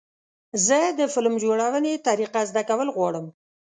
زه د فلم جوړونې طریقه زده کول غواړم.